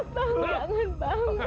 bang jangan bang